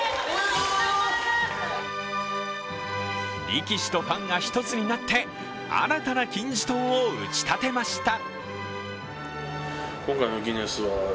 力士とファンが一つになって新たな金字塔を打ち立てました。